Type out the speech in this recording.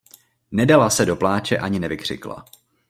Nedala se do pláče, ani nevykřikla.